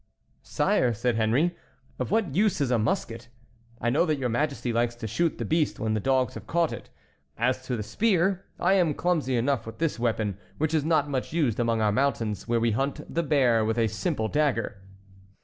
"Sire," said Henry, "of what use is a musket? I know that your Majesty likes to shoot the beast when the dogs have caught it. As to a spear, I am clumsy enough with this weapon, which is not much used among our mountains, where we hunt the bear with a simple dagger."